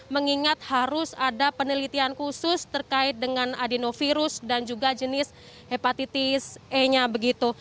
mengingat harus ada penelitian khusus terkait dengan adenovirus dan juga jenis hepatitis e nya begitu